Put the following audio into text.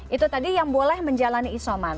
itu tadi yang boleh menjalani isoman